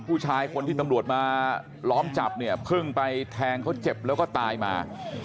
ผู้ชายคนที่ตำรวจมาล้อมจับเนี่ยเพิ่งไปแทงเขาเจ็บแล้วก็ตายมา